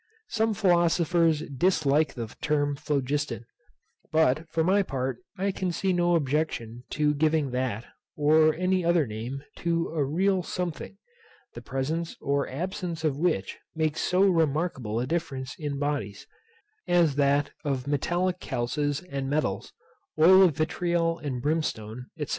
Some philosophers dislike the term phlogiston; but, for my part, I can see no objection to giving that, or any other name, to a real something, the presence or absence of which makes so remarkable difference in bodies, as that of metallic calces and metals, oil of vitriol and brimstone, &c.